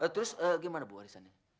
terus gimana bu warisannya